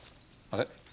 あれ？